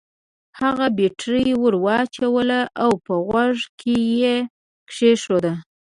هغه بېټرۍ ور واچولې او په غوږو کې يې کېښوده.